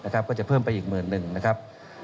ก็จะเพิ่มไปอีกหมื่นหนึ่งนะครับ